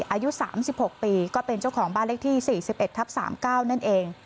อายุ๓๖ปีก็เป็นเจ้าของบ้านเลขที่๔๑ทับ๓๙นั่นเอง